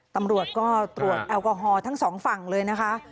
ตำรวจก็ตรวจแอลกอฮอล์ทั้งสองฝั่งเลยนะคะ